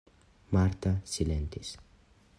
Marta silentis.